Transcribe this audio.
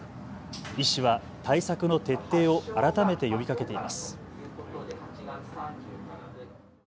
医師は対策の徹底を改めて呼びかけています。